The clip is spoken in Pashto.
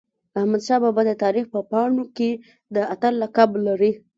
احمدشاه بابا د تاریخ په پاڼو کي د اتل لقب لري.